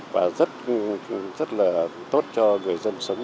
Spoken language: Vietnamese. và rất là tốt cho người dân sống